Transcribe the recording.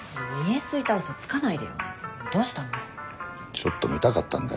ちょっと見たかったんだよ